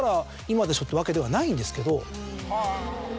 ってわけではないんですけど。